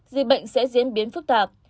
dịch bệnh sẽ diễn biến phức tạp